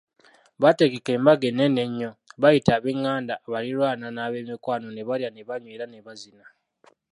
Baategeka embaga ennene enyo, baayita ab'enganda, abaliraanwa n'abemikwano ne balya ne banywa era ne bazina.